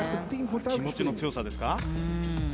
気持ちの強さですか。